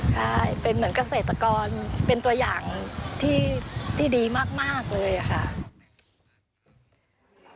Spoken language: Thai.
ใช่เป็นเหมือนเกษตรกรเป็นตัวอย่างที่ดีมากเลยค่ะ